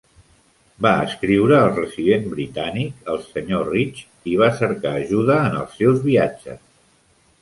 Va escriure al resident britànic, el Sr. Rich, i va cercar ajuda en els seus viatges.